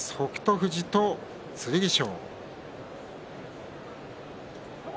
富士と剣翔。